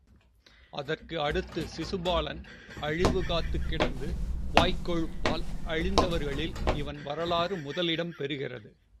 அதற்கு அடுத்து சிசுபாலன் அழிவு காத்துக் கிடந்தது வாய்க் கொழுப்பால் அழிந்தவர்களில் இவன் வரலாறு முதல் இடம் பெறுகிறது.